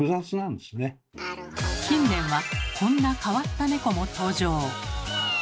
近年はこんな変わった猫も登場。